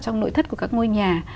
trong nội thất của các ngôi nhà